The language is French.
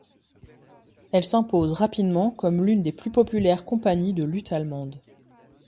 Elle s'impose rapidement comme l'une des plus populaires compagnies de lutte allemande.